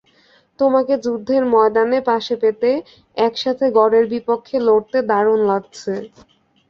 তোমাকে যুদ্ধের ময়দানে পাশে পেতে, একসাথে গরের বিপক্ষে লড়তে দারুণ লাগছে।